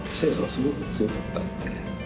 すごく強かったんで。